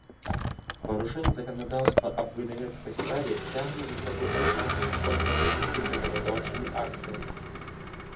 Парушэнне заканадаўства аб выдавецкай справе цягне за сабой адказнасць у адпаведнасцi з заканадаўчымi актамi.